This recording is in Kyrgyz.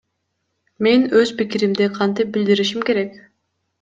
Мен өз пикиримди кантип билдиришим керек?